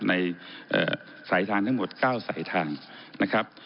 ในสายทางทั้งหมด๙สายทางนะครับ